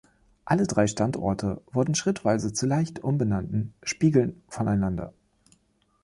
Alle drei Standorte wurden schrittweise zu leicht umbenannten Spiegel voneinander.